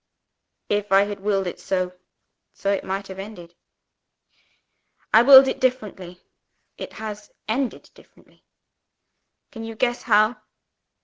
"If I had willed it so so it might have ended. I willed it differently. It has ended differently. Can you guess how?"